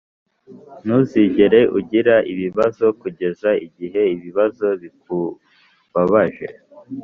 ntuzigere ugira ibibazo kugeza igihe ibibazo bikubabaje